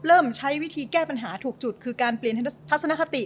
เริ่มใช้วิธีแก้ปัญหาถูกจุดคือการเปลี่ยนทัศนคติ